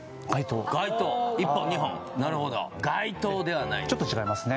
街灯１本２本なるほど街灯ではないちょっと違いますね